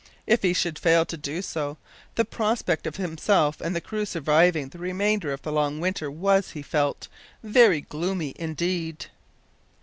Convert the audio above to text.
If he should fail to do so, the prospect of himself and his crew surviving the remainder of the long winter was, he felt, very gloomy indeed.